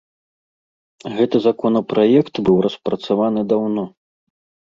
Гэты законапраект быў распрацаваны даўно.